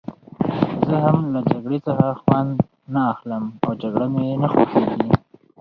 زه هم له جګړې څخه خوند نه اخلم او جګړه مې نه خوښېږي.